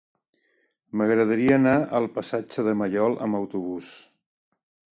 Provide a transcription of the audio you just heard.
M'agradaria anar al passatge de Maiol amb autobús.